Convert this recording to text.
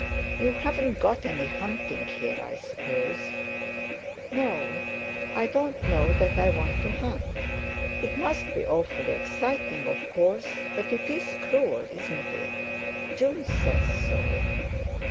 "You haven't got any hunting here, I suppose?" "No; I don't know that I want to hunt. It must be awfully exciting, of course; but it's cruel, isn't it? June says so."